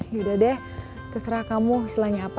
yaudah deh terserah kamu istilahnya apa